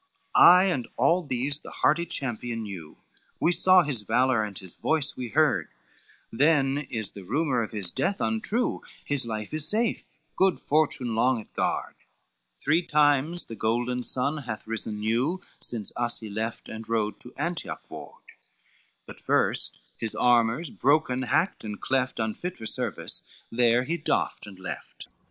LXXII "I and all these the hardy champion knew, We saw his valor, and his voice we heard; Then is the rumor of his death untrue, His life is safe, good fortune long it guard, Three times the golden sun hath risen new, Since us he left and rode to Antioch ward; But first his armors, broken, hacked and cleft, Unfit for service, there he doft and left."